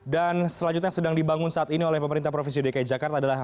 dan selanjutnya yang sedang dibangun saat ini oleh pemerintah provinsi dki jakarta adalah